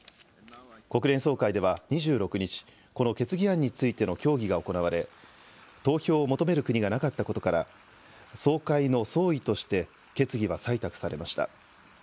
国連総会では２６日、この決議案についての協議が行われ投票を求める国がなかったことから総会の総意として決議は採択されました。